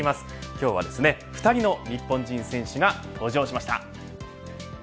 今日は２人の日本人選手が登場しました。